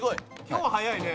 今日は早いね。